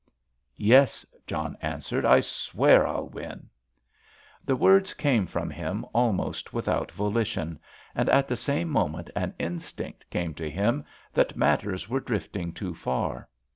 "Yes," John answered, "I swear I'll win." The words came from him almost without volition, and at the same moment an instinct came to him that matters were drifting too far.